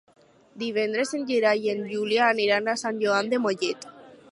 Divendres en Gerai i en Julià aniran a Sant Joan de Mollet.